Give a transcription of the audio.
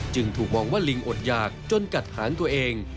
จึงถูกมองว่าลิงอดหยากจนกัดหางตัวเอง